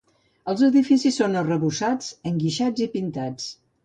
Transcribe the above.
Els edificis són arrebossats, enguixats i pintats.